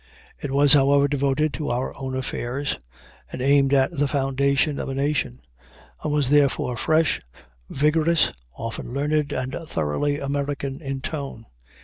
It was, however, devoted to our own affairs, and aimed at the foundation of a nation, and was therefore fresh, vigorous, often learned, and thoroughly American in tone.